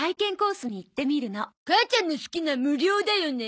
母ちゃんの好きな無料だよね。